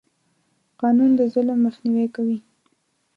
قانون د ظلم مخنیوی کوي.